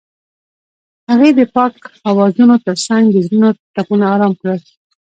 هغې د پاک اوازونو ترڅنګ د زړونو ټپونه آرام کړل.